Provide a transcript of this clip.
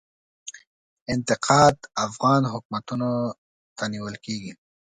انتقاد افغان حکومتونو ته نیول کیږي.